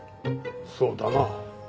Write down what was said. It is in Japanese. そうだな。